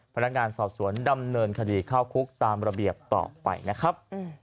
พนักงานสอบสวนดำเนินคดีเข้าคุกตามระเบียบต่อไปนะครับ